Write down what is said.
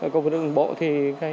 cầu vượt đường bộ thì